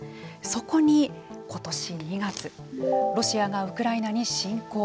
そこに今年２月ロシアがウクライナに侵攻。